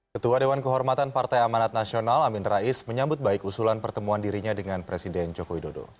ketua dewan kehormatan partai amanat nasional amin rais menyambut baik usulan pertemuan dirinya dengan presiden joko widodo